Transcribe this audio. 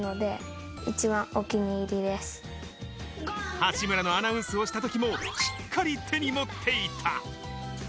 八村のアナウンスをした時もしっかり手に持っていた。